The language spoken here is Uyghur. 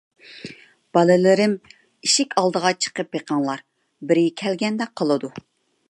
بالىلىرىم، ئىشىك ئالدىغا چىقىپ بېقىڭلار، بىرى كەلگەندەك قىلىدۇ.